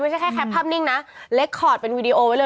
ไม่ใช่แค่แคปภาพนิ่งนะเล็กคอร์ดเป็นวีดีโอไว้เลย